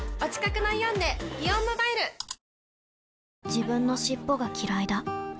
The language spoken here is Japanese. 自分の尻尾がきらいだ